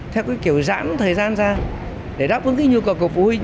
theo cái kiểu giãn thời gian ra để đáp ứng cái nhu cầu của phụ huynh